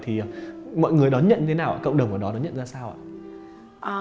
thì mọi người đón nhận thế nào cộng đồng ở đó đón nhận ra sao ạ